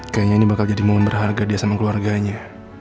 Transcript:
kayaknya ini bakal jadi momen berharga dia sama keluarganya